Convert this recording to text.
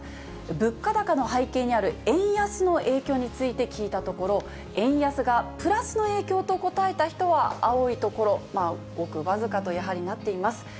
物価高の背景にある円安の影響について聞いたところ、円安がプラスの影響と答えた人は青い所、ごく僅かとやはりなっています。